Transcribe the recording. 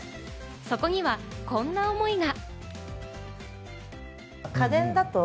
そこにはこんな思いが。